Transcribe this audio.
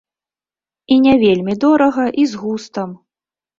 І не вельмі дорага, і з густам.